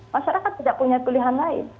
masyarakat tidak punya pilihan lain